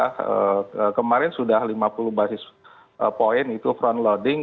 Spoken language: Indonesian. karena kemarin sudah lima puluh basis point itu front loading